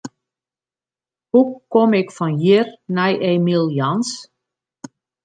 Hoe kom ik fan hjir nei Emiel Jans?